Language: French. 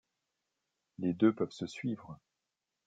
Les deux peuvent se suivre.